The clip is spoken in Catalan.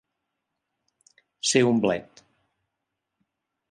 Ser un blet.